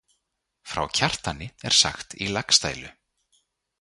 Frá Kjartani er sagt í Laxdælu.